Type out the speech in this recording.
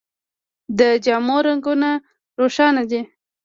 د جامو رنګونه روښانه دي.